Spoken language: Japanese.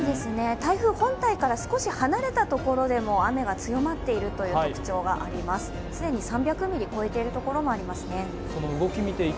台風本体から少し離れた所でも雨が強まっているという特徴があります、既に３００ミリ超えている所もあります。